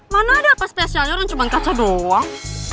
mana ada apa spesialnya kan cuma kaca doang